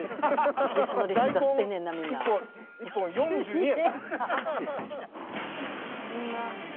大根１本４２円。